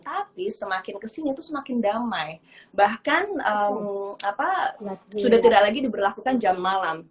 tapi semakin kesini itu semakin damai bahkan sudah tidak lagi diberlakukan jam malam